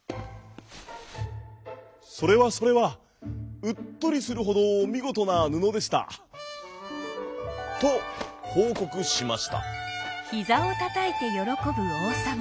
「それはそれはうっとりするほどみごとなぬのでした」。とほうこくしました。